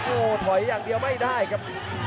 โอ้โหถอยอย่างเดียวไม่ได้ครับ